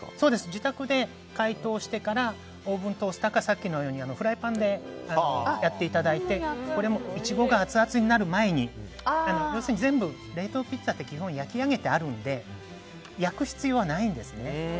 自宅で解凍してからオーブントースターかさっきのようにフライパンでやっていただいてこれもイチゴがアツアツになる前に要するに全部冷凍ピッツァって基本、焼き上げてあるので焼く必要はないんですね。